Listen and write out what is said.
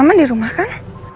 mama di rumah kan